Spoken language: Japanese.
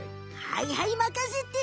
はいはいまかせて！